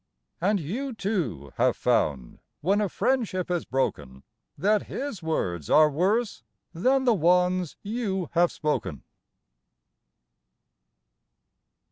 And you, too, have found, when a friendship is broken, That his words are worse than the ones you have spoken.